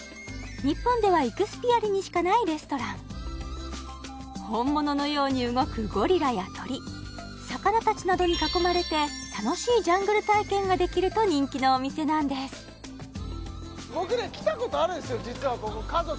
日本ではイクスピアリにしかないレストラン本物のように動くゴリラや鳥魚たちなどに囲まれて楽しいジャングル体験ができると人気のお店なんです僕ね